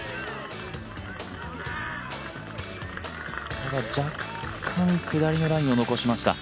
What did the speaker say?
ただ若干、下りのラインを残しました。